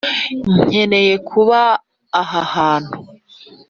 nkeneye kuva aha hantu.